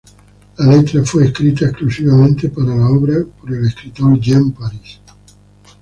La letra fue escrita exclusivamente para la obra por el escritor Jean Paris.